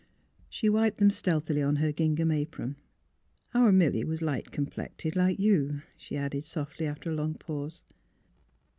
She wiped them stealthily on her gingham apron. *' Our Milly was light complected, like you," she added, softly, after a long pause.